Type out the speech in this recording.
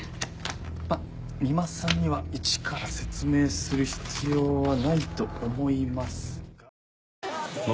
まあ三馬さんには一から説明する必要はないと思いますが。